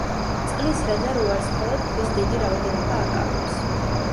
წყლის რეზერვუარს მხოლოდ ქვის დიდი რაოდენობა აკავებს.